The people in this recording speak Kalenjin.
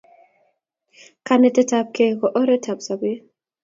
Kanetet ab kei ko oret ab sobet